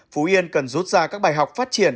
phú yên cần rút ra các bài học phát triển